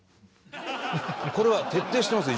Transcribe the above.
これは徹底してます